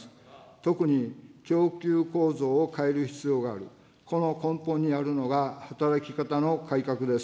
特に、供給構造を変える必要がある、この根本にあるのが働き方の改革です。